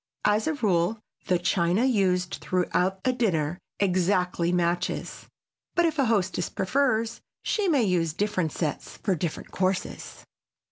As a rule the china used throughout a dinner exactly matches, but if a hostess prefers she may use different sets for different courses.